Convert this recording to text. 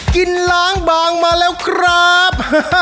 กินล้างบางมาแล้วครับ